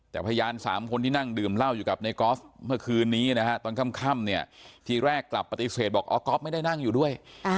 แต่พยาน๓คนที่นั่งดื่มเหล้าอยู่กับในกอล์ฟเมื่อคืนนี้นะฮะตอนค่ำเนี่ยทีแรกกลับปฏิเสธบอกอ๋อก๊อฟไม่ได้นั่งอยู่ด้วย